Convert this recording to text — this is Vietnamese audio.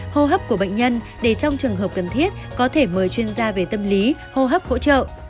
hô hấp của bệnh nhân để trong trường hợp cần thiết có thể mời chuyên gia về tâm lý hô hấp hỗ trợ